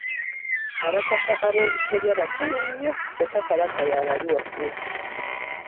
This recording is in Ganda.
Abataka aboobusolya bakulu nnyo kyokka Kabaka y’abali waggulu.